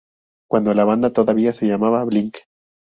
Cuando la banda todavía se llama Blink.